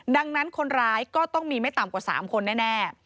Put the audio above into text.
ดังนั้นคนร้ายก็ต้องมีไม่ต่ำกว่า๓คนแน่